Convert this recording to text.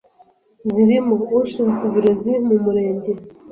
z’imirimo; Ushinzwe uburezi mu Murenge.